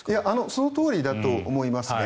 そのとおりだと思いますね。